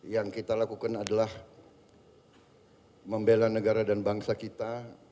yang kita lakukan adalah membela negara dan bangsa kita